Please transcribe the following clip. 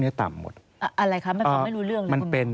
อะไรคะมันทำให้รู้เรื่องหรือคุณหมอ